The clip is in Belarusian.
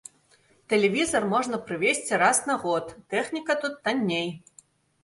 Тэлевізар можна прывезці раз на год, тэхніка тут танней.